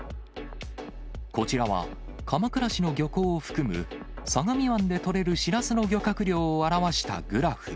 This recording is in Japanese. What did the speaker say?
こちらは、鎌倉市の漁港を含む相模湾で取れるしらすの漁獲量を表したグラフ。